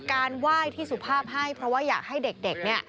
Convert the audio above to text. การไหว้ที่สุภาพให้เพราะว่าอยากให้เด็กเนี่ย